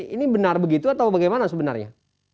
ini benar begitu atau bagaimana sebenarnya